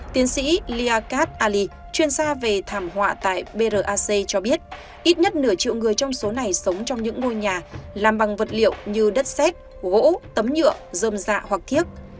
tiến sĩ liakat ali chuyên gia về thảm họa tại brac cho biết ít nhất nửa triệu người trong số này sống trong những ngôi nhà làm bằng vật liệu như đất xét gỗ tấm nhựa dơm dạ hoặc thiết